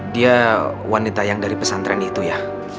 dia wanita yang dari pesantren itu ya